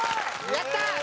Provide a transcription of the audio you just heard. やったー！